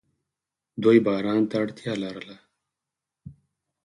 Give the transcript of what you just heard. دوی باران ته اړتیا لرله.